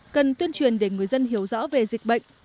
cần tuyên truyền để người dân hiểu rõ về dịch bệnh